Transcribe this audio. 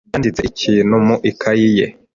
Yanditse ikintu mu ikaye ye.